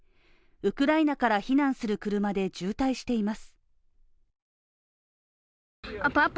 ウクライナから避難する車で渋滞しています。